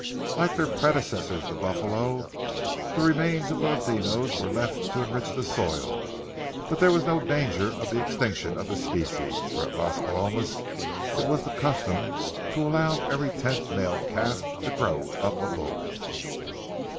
Like their predecessors the buffalo, the remains of the ladinos were left to enrich the soil; but there was no danger of the extinction of the species, for at Las Palomas it was the custom to allow every tenth male calf to grow up a bull.